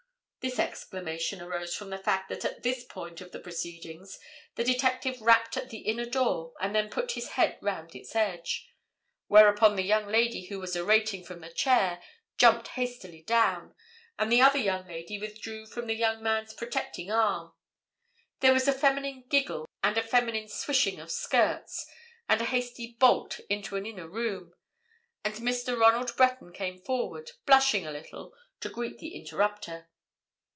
This exclamation arose from the fact that at this point of the proceedings the detective rapped at the inner door, and then put his head round its edge. Whereupon the young lady who was orating from the chair, jumped hastily down; the other young lady withdrew from the young man's protecting arm; there was a feminine giggle and a feminine swishing of skirts, and a hasty bolt into an inner room, and Mr. Ronald Breton came forward, blushing a little, to greet the interrupter.